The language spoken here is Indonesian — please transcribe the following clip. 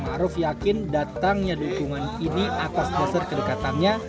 ma'ruf yakin datangnya dukungan ini atas besar kedekatannya